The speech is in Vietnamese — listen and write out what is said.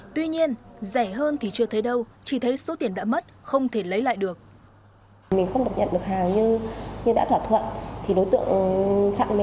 tuy nhiên rẻ hơn thì chưa thấy đâu chỉ thấy số tiền đã mất không thể lấy lại được